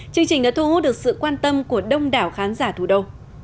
chương trình đã thu hút được sự quan tâm của đông đảo khán giả thủ đô